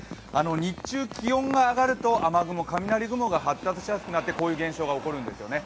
日中、気温が上がると、雨雲、雷雲が発達しやすくなってこういう現象が起こるんですね。